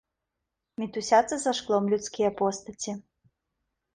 Мітусяцца за шклом людскія постаці.